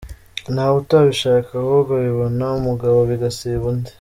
Ntawutabishaka ahubwo bibona umugabo bigasiba undi.